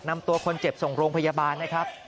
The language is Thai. นำตัวคนเจ็บส่งโรงพยาบาลนะครับ